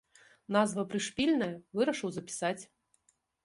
Назва прышпільная, вырашыў запісаць.